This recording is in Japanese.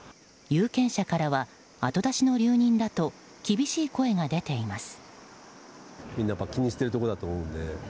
有権者からは後出しの留任だと厳しい声が出ています。